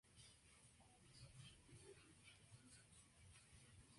La ciudad cuenta con industrias químicas, de aviación, de alta tecnología y de medicina.